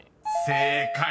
［正解。